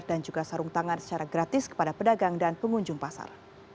dan juga sarung tangan secara gratis kepada pedagang dan pengunjung pasar